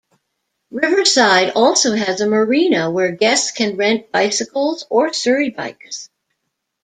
Riverside also has a marina where guests can rent bicycles or surrey bikes.